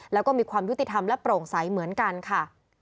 แล้วก็มีความยุติธรรมและโปร่งใสเหมือนกันค่ะ